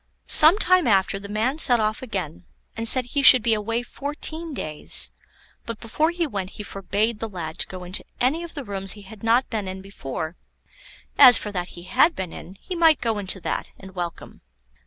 Some time after the man set off again, and said he should be away fourteen days; but before he went he forbade the lad to go into any of the rooms he had not been in before; as for that he had been in, he might go into that, and welcome.